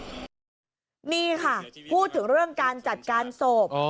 นี่ค่ะพูดถึงเรื่องการจัดการศพ